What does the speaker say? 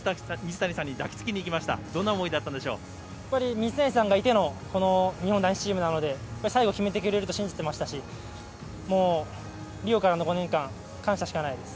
水谷さんがいての男子チームなので最後決めてくれると信じていましたしリオからの５年間感謝しかないです。